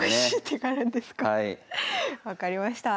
分かりました。